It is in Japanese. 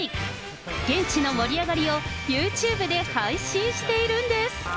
現地の盛り上がりをユーチューブで配信しているんです。